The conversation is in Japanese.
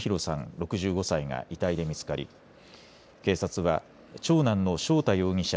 ６５歳が遺体で見つかり警察は長男の将太容疑者